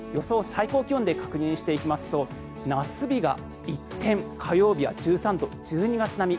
最高気温で確認していきますと、夏日が一転火曜日は１３度、１２月並み。